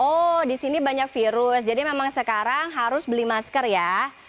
oh di sini banyak virus jadi memang sekarang harus beli masker ya